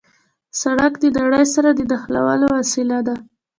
سړک د نړۍ سره د نښلولو وسیله ده.